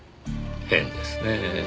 変ですねえ。